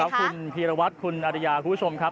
คุณพีรวัตรคุณอริยาคุณผู้ชมครับ